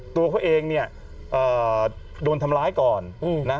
ตัวเขาเองเนี่ยโดนทำร้ายก่อนนะ